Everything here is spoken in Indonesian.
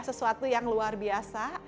sesuatu yang luar biasa